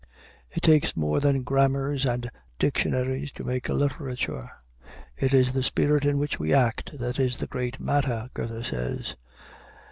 It takes more than grammars and dictionaries to make a literature. "It is the spirit in which we act that is the great matter," Goethe says.